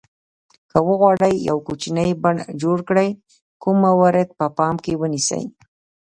که وغواړئ یو کوچنی بڼ جوړ کړئ کوم موارد په پام کې ونیسئ.